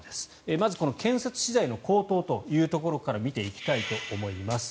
まず建設資材の高騰というところから見ていきたいと思います。